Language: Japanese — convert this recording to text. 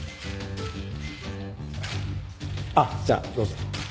あっじゃあどうぞ。